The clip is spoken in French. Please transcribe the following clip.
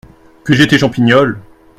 Que j’étais Champignol !